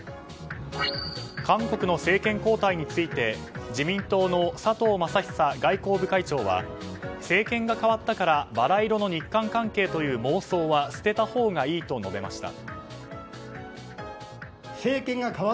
韓国の政権交代について自民党の佐藤正久外交部会長は政権が変わったからバラ色の日韓関係という妄想は捨てたほうがいいと述べました。